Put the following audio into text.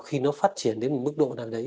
khi nó phát triển đến một mức độ nào đấy